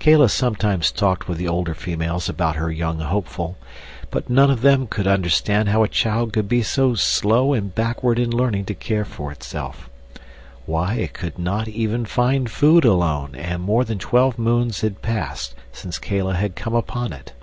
Kala sometimes talked with the older females about her young hopeful, but none of them could understand how a child could be so slow and backward in learning to care for itself. Why, it could not even find food alone, and more than twelve moons had passed since Kala had come upon it.